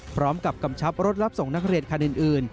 พร้อมกับกำชับรถรับส่งนักเรียนค่านิดอื่น